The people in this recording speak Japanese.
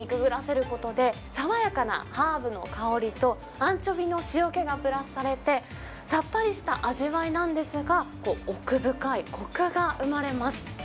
サワラは、さっとオイルにくぐらせることで、爽やかなハーブの香りと、アンチョビの塩気がプラスされて、さっぱりした味わいなんですが、奥深いこくが生まれます。